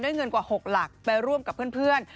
เงินกว่า๖หลักไปร่วมกับเพื่อน